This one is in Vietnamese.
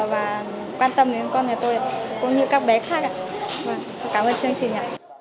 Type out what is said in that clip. và quan tâm đến con nhà tôi cũng như các bé khác ạ cảm ơn chương trình